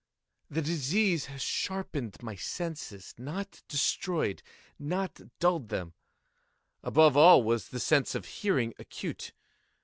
The disease had sharpened my senses—not destroyed—not dulled them. Above all was the sense of hearing acute.